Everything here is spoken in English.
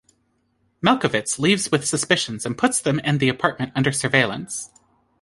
Melkowitz leaves with suspicions and puts them and the apartment under surveillance.